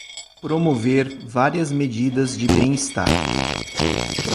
Promover várias medidas de bem-estar